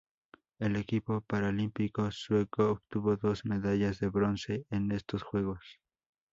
El equipo paralímpico sueco obtuvo dos medallas de bronce en estos Juegos.